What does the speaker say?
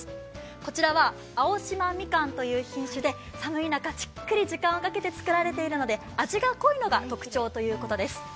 こちらは青島みかんという品種で寒い中、じっくり時間をかけて作られているので味が濃いのが特徴ということです。